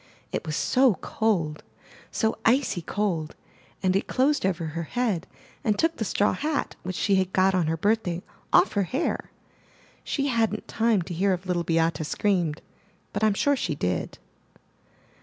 It was so cold, so icy cold, and it closed over her head and took the straw hat, which she had got on her birthday, off her hair. She hadn't time to hear if Little Beate screamed, but Tm sure she did.